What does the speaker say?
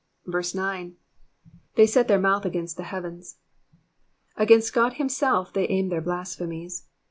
9. ^*They set their mouth against the heavens.''^ Against God himself they aim their blasphemies.